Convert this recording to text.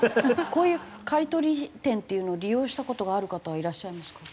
こういう買い取り店っていうのを利用した事がある方はいらっしゃいますか？